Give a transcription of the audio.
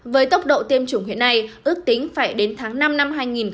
với tốc độ tiêm chủng hiện nay ước tính phải đến tháng năm năm hai nghìn hai mươi